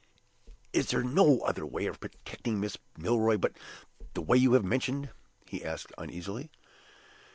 "Is there no other way of protecting Miss Milroy but the way you have mentioned?" he asked, uneasily.